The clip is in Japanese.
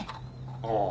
ああ。